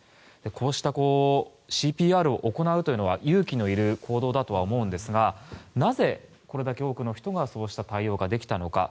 こうしたＣＰＲを行うというのは勇気のいる行動だと思いますがなぜ、これだけ多くの人がそうした対応ができたのか。